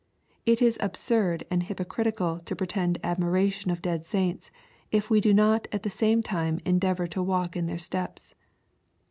It is absurd and hypo critical to pretend admiration of dead saints, if we do not at the same time endeavor to walk in their steps.